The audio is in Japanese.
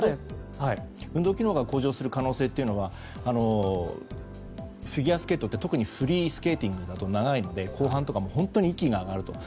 運動機能が向上する可能性というのはフィギュアスケートって特にフリースケーティングなど長いので後半とか本当に息が上がる。